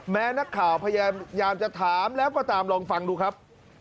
แม้นักข่าวพยายามจะถามแล้วก็ตามลองฟังดูครับ